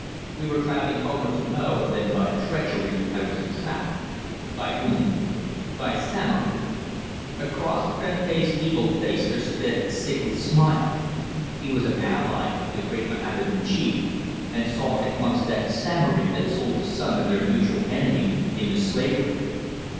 "We were travelling homeward to Mo when by treachery I was entrapped." "By whom?" "By Samory." Across Prempeh's evil face there spread a sickly smile. He was an ally of the great Mohammedan chief, and saw at once that Samory had sold the son of their mutual enemy into slavery.